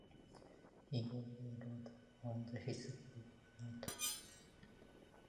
He also wrote on the history of anatomy.